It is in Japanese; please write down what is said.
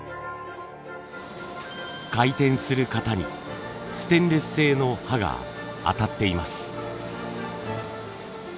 回転する型にステンレス製の刃が当たっています。